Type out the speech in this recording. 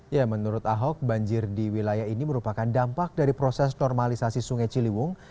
ya menurut ahok banjir di wilayah ini merupakan dampak dari proses normalisasi sungai ciliwung